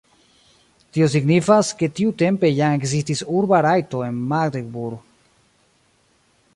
Tio signifas, ke tiutempe jam ekzistis urba rajto en Magdeburg.